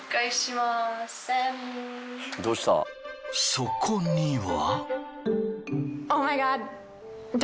そこには。